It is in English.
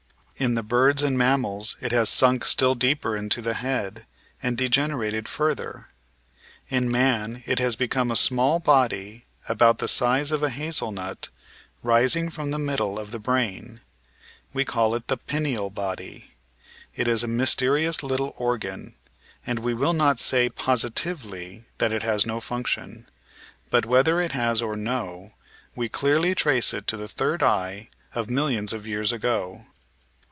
In the birds and mammals it has smik still deeper into the head, and degenerated further. In man it has become a small body, about the size of a hazel nut, rising from the middle of the brain. We call it the "pineal body." It is a mysterious little organ, and we will not say positively that it has no function. But, whether it has or no, we clearly trace it to the third eye of millions of years ago.